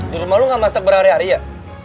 di rumah lu gak masak berhari hari ya